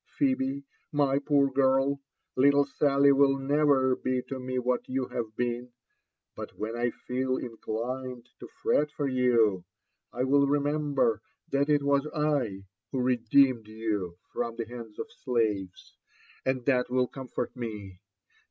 Phebe, my poor girl) little Sally will never be to me what you have been ; but when I feel in clined to fret for you, I will remember that it was I who redeemed you from the land of slaves,— and that will comfort me.